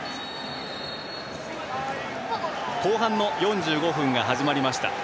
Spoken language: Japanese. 後半の４５分が始まりました。